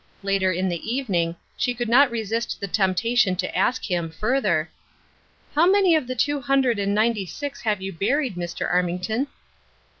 Later in the evening, she could not resist the temptation to ask him, further: " How many of the two hundred and ninety six have you buried, Dr. Armington